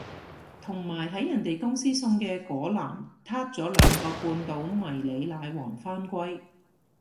同埋喺人哋公司送嘅嗰籃撻咗兩個半島迷你奶黃返歸